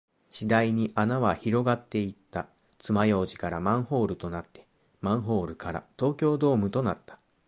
次第に穴は広がっていった。爪楊枝からマンホールとなって、マンホールから東京ドームとなった。